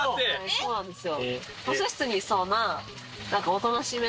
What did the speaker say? そうなんですよ。